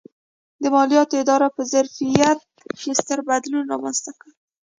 د مالیاتي ادارو په ظرفیت کې ستر بدلون رامنځته کړ.